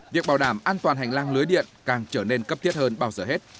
việc bảo đảm an toàn hành lang lưới điện càng trở nên cấp thiết hơn bao giờ hết